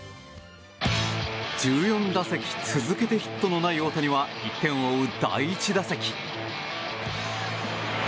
１４打席続けてヒットのない大谷は、１点を追う第１打席。